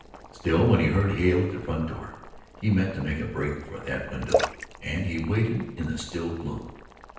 Still, when he heard Hale at the front door, he meant to make a break for that window, and he waited in the still gloom.